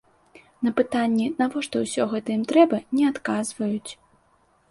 На пытанні, навошта ўсё гэта ім трэба, не адказваюць.